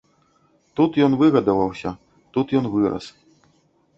Тут ён выгадаваўся, тут ён вырас.